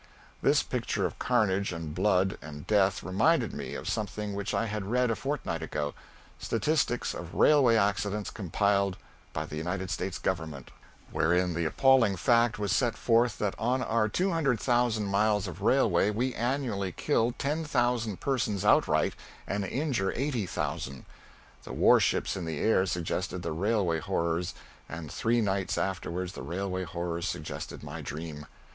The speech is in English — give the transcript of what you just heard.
This picture of carnage and blood and death reminded me of something which I had read a fortnight ago statistics of railway accidents compiled by the United States Government, wherein the appalling fact was set forth that on our 200,000 miles of railway we annually kill 10,000 persons outright and injure 80,000. The war ships in the air suggested the railway horrors, and three nights afterward the railway horrors suggested my dream.